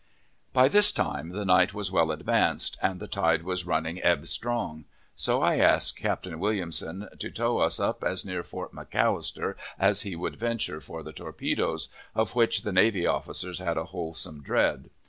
By this time the night was well advanced, and the tide was running ebb strong; so I asked. Captain Williamson to tow us up as near Fort McAllister as he would venture for the torpedoes, of which the navy officers had a wholesome dread.